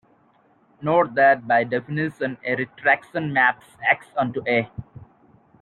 Note that, by definition, a retraction maps "X" onto "A".